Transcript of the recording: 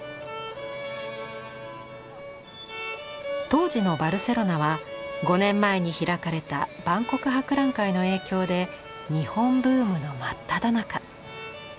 当時のバルセロナは５年前に開かれた万国博覧会の影響で日本ブームの真っただ中。